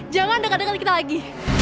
jangan dekat dekat kali kita lagi